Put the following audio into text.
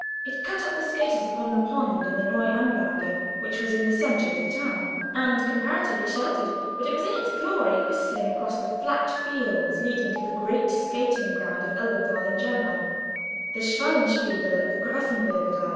It cut up the skaters upon the pond in the Neue Anlage, which was in the center of the town, and comparatively sheltered; but it was in its glory whistling across the flat fields leading to the great skating ground of Elberthal in general the Schwanenspiegel at the Grafenbergerdahl.